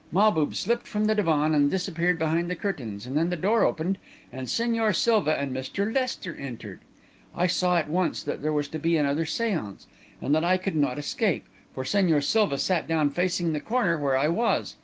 Mahbub slipped from the divan and disappeared behind the curtains, and then the door opened and Señor Silva and Mr. Lester entered. I saw, at once, that there was to be another séance, and that I could not escape, for Señor Silva sat down facing the corner where I was.